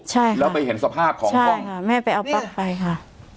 ใช่แล้วไปเห็นสภาพของกล้องค่ะแม่ไปเอาปลั๊กไปค่ะ